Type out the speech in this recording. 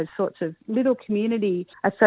untuk asosiasi kecil kecil komunitas